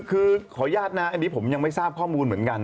คือขออนุญาตนะอันนี้ผมยังไม่ทราบข้อมูลเหมือนกัน